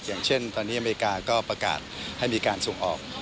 อย่างเช่นตอนนี้อเมริกาก็ประกาศให้มีการส่งออก